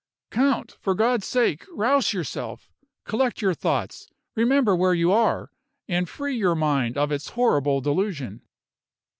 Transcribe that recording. "Count! for God's sake, rouse yourself! Collect your thoughts remember where you are and free your mind of its horrible delusion."